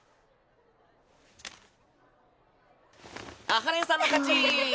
阿波連さんの勝ち。